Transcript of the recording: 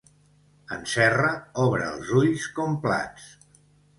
En Serra obre els ulls com plats.